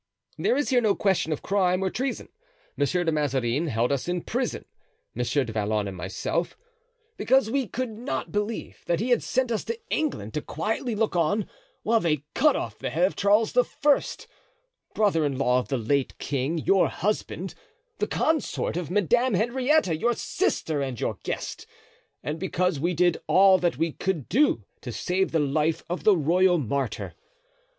There is here no question of crime or treason. Monsieur de Mazarin held us in prison, Monsieur du Vallon and myself, because we could not believe that he had sent us to England to quietly look on while they cut off the head of Charles I., brother in law of the late king, your husband, the consort of Madame Henrietta, your sister and your guest, and because we did all that we could do to save the life of the royal martyr.